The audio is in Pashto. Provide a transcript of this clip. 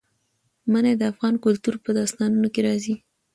منی د افغان کلتور په داستانونو کې راځي.